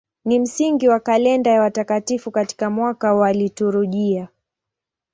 Ni msingi wa kalenda ya watakatifu katika mwaka wa liturujia.